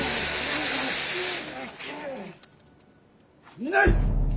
いない！